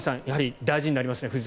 やはり大事になりますね。